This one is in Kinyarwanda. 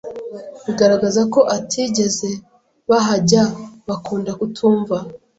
bigaragaza ko atigeze bahajya bakunda kutumva